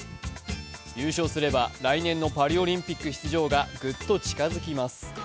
優勝すれば来年のパリオリンピック出場がグッと近づきます。